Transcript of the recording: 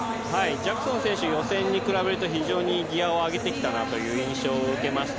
ジャクソン選手、予選に比べると非常にギアを上げてきたなという印象を受けました。